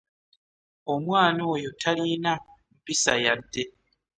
Omwana oyo tayina mpisa yadde.